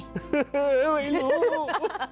ด้วยรู้